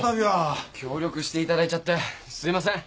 協力していただいちゃってすいません。